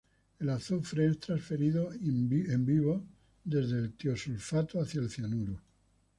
El azufre es transferido in vivo desde el tiosulfato hacia el cianuro.